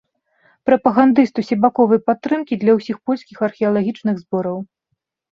Прапагандыст усебаковай падтрымкі для ўсіх польскіх археалагічных збораў.